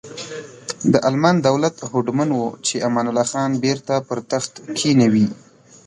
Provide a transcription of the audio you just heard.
د المان دولت هوډمن و چې امان الله خان بیرته پر تخت کینوي.